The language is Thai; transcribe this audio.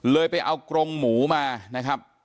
ไปเอากรงหมูมานะครับ